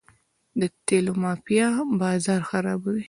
د تیلو مافیا بازار خرابوي.